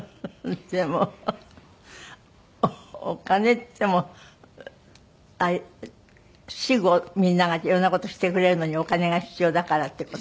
でもお金っていっても死後みんなが色んな事してくれるのにお金が必要だからっていう事？